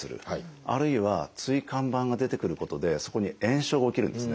あるいは椎間板が出てくることでそこに炎症が起きるんですね。